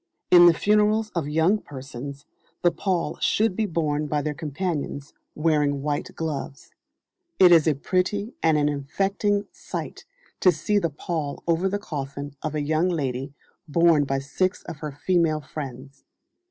In the funerals of young persons, the pall should be borne by their companions, wearing white gloves. It is a pretty and an affecting sight to see the pall over the coffin of a young lady borne by six of her female friends.